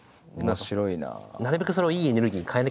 面白いな。